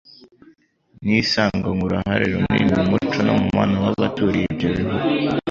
niyo isanganywe uruhare runini mu muco no mu mubano w'abaturiye ibyo bihugu